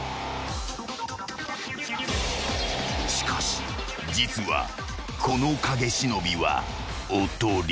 ［しかし実はこの影忍はおとり］